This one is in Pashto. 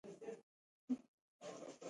کتابچه مې صفا ده.